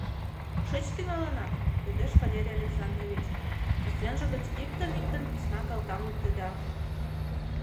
— Кушеч тӱҥалына? — йодеш Валерий Александрович, кӱсенже гыч иктын-иктын письма калтам луктеда.